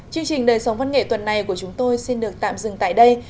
chương trình đời sống văn nghệ tuần này của chúng tôi xin được tạm dừng tại đây